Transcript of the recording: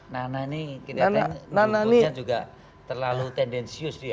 nana nih kita lihatnya terlalu tendensius dia